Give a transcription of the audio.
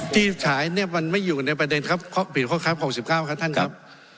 เธอชายนี้มันไม่อยู่ในประเด็นผิดคอกครับ๖๙ครับท่านครับ